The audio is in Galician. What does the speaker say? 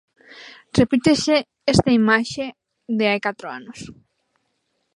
Repítese esta imaxe de hai cato anos.